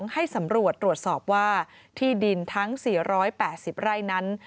ให้สำรวจตรวจสอบว่าที่ดินทั้ง๔๘๐ไร่นั้น